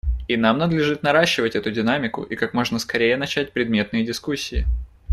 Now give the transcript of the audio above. И нам надлежит наращивать эту динамику и как можно скорее начать предметные дискуссии.